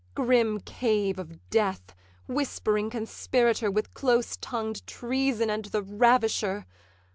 Grim cave of death! whispering conspirator With close tongued treason and the ravisher!